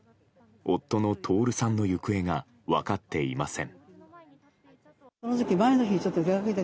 夫の徹さんの行方が分かっていません。